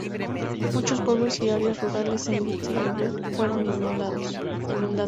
Muchos pueblos y áreas rurales en Viti Levu fueron inundadas.